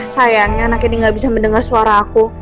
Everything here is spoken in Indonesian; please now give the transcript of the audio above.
sayangnya anak ini gak bisa mendengar suara aku